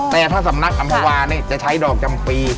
แต่ถ้าสำนักอำภาวาจะใช้ดอกจำปี